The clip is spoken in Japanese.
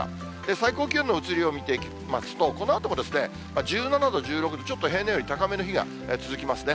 最高気温の移りを見ていきますと、このあとも、１７度、１６度、ちょっと平年より高めの日が続きますね。